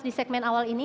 di segmen awal ini